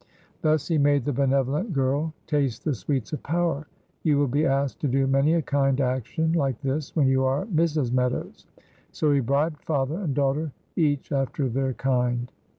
Thus he made the benevolent girl taste the sweets of power. "You will be asked to do many a kind action like this when you are Mrs. Meadows." So he bribed father and daughter each after their kind.